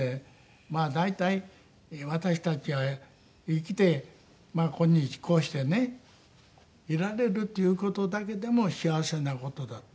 まあ大体私たちは生きて今日こうしてねいられるっていう事だけでも幸せな事だって。